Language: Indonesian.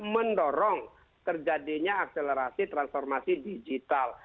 mendorong terjadinya akselerasi transformasi digital